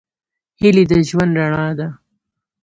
هیلې د ژوند رڼا ده.